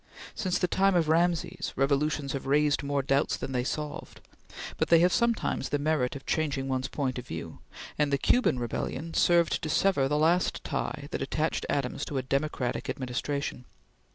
Since the time of Rameses, revolutions have raised more doubts than they solved, but they have sometimes the merit of changing one's point of view, and the Cuban rebellion served to sever the last tie that attached Adams to a Democratic administration.